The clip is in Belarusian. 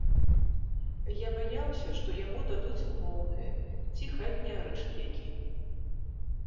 Я баяўся, што яму дадуць умоўнае ці хатні арышт які.